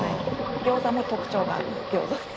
ギョーザも特徴があるギョーザです。